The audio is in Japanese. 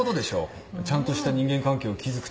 ちゃんとした人間関係を築くために。